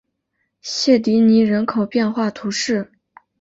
谢迪尼人口变化图示